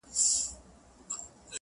زوی یې زور کاوه پر لور د تورو غرونو!.